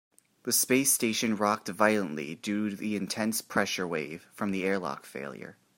The space station rocked violently due to the intense pressure wave from the airlock failure.